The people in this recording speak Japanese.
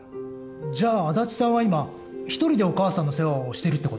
じゃあ足立さんは今一人でお母さんの世話をしてるって事？